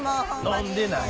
飲んでない。